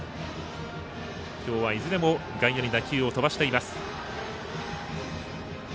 今日はいずれも外野に打球を飛ばしています。